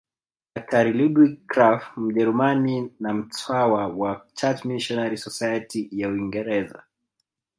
Daktari Ludwig Krapf Mjerumani na mtawa wa Church Missionary Society ya Uingereza